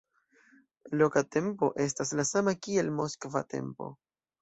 Loka tempo estas la sama kiel moskva tempo.